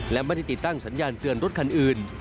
และไม่ได้ติดตั้งสัญญาณเตือนรถคันอื่น